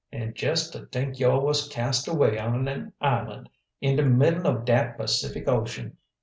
An' jess to t'ink yo' was cast away on an island in de middle of dat Pacific Ocean!